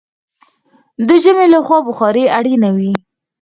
د ژمي له خوا بخارۍ اړینه وي.